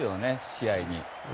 試合に。